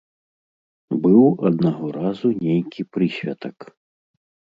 Быў аднаго разу нейкі прысвятак.